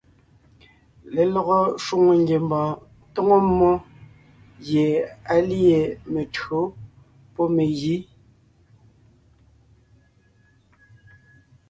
Lelɔgɔ shwòŋo ngiembɔɔn tóŋo mmó gie á lîe mentÿǒ pɔ́ megǐ.